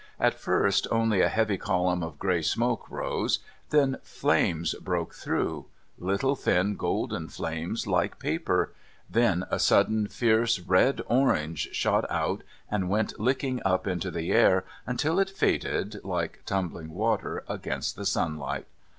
At first only a heavy column of grey smoke rose, then flames broke through; little, thin golden flames like paper; then a sudden fierce red tongue shot out and went licking up into the air until it faded like tumbling water against the sunlight.